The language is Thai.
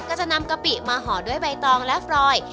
ก็จะนำกะปิมาห่อด้วยใบตองและฟรอย